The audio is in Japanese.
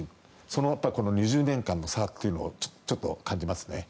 その２０年間の差というのを感じますね。